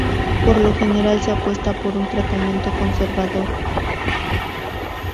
Por lo general, se apuesta por un tratamiento conservador.